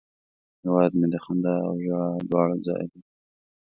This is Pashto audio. هیواد مې د خندا او ژړا دواړه ځای دی